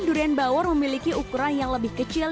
durian bawor memiliki ukuran yang lebih kecil